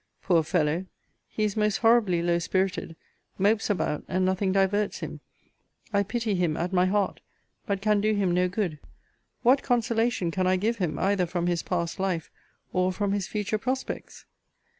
Poor fellow! he is most horribly low spirited; mopes about; and nothing diverts him. I pity him at my heart; but can do him no good. What consolation can I give him, either from his past life, or from his future prospects?